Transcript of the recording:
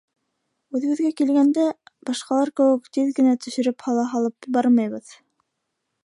Үҙебеҙгә килгәндә, башҡалар кеүек тиҙ генә төшөрөп, һала һалып бармайбыҙ